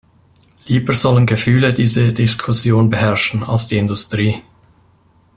Lieber sollen Gefühle diese Diskussion beherrschen als die Industrie!